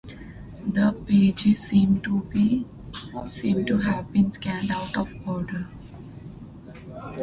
The pages seem to have been scanned out of order.